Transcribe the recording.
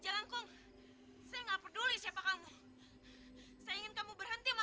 jalan kung jalan se di sini ada pesta besar besaran